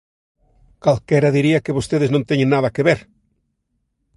¡Calquera diría que vostedes non teñen nada que ver!